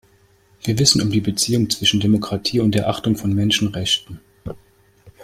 Wir wissen um die Beziehung zwischen Demokratie und der Achtung von Menschenrechten.